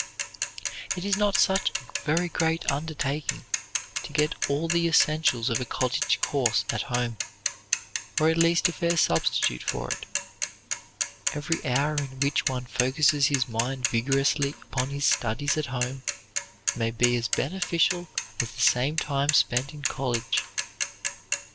It is not such a very great undertaking to get all the essentials of a college course at home, or at least a fair substitute for it. Every hour in which one focuses his mind vigorously upon his studies at home may be as beneficial as the same time spent in college.